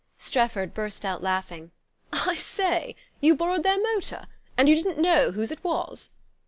Strefford burst out laughing. "I say you borrowed their motor? And you didn't know whose it was?"